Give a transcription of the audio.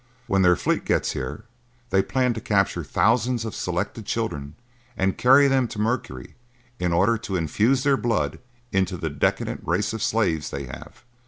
When their fleet gets here, they plan to capture thousands of selected children and carry them to Mercury in order to infuse their blood into the decadent race of slaves they have.